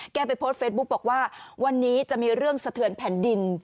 ไปโพสต์เฟซบุ๊กบอกว่าวันนี้จะมีเรื่องสะเทือนแผ่นดิน